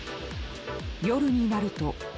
夜になると。